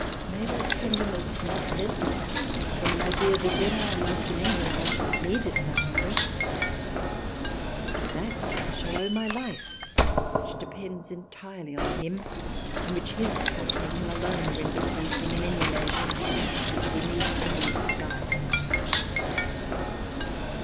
May that tenderness not lessen from an idea that when I am once in England I shall need it no longer, .... for to that I shall owe my Life which depends entirely on him and which his Company can alone render pleasing in any Nation and beneath any Sky.